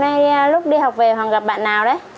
hôm nay lúc đi học về hoàng gặp bạn nào đấy